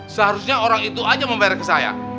seharusnya orang itu aja membayar ke saya